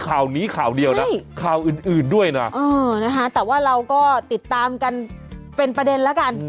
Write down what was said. ข่าวนี้ข่าวเดียวนะข่าวอื่นด้วยนะแต่ว่าเราก็ติดตามกันเป็นประเด็นแล้วกัน